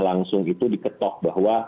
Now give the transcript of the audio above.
langsung itu diketok bahwa